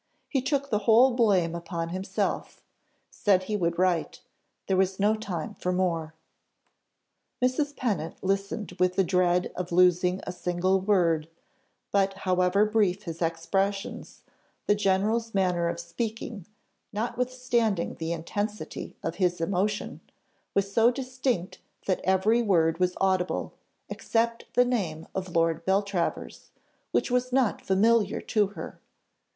He took the whole blame upon himself said he would write there was no time for more. Mrs. Pennant listened with the dread of losing a single word: but however brief his expressions, the general's manner of speaking, notwithstanding the intensity of his emotion, was so distinct that every word was audible, except the name of Lord Beltravers, which was not familiar to her.